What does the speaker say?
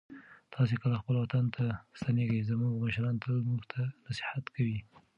تاسې کله خپل وطن ته ستنېږئ؟ زموږ مشران تل موږ ته نصیحت کوي.